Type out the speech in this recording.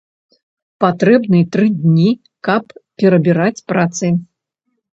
Патрэбны тры дні, каб перабіраць працы.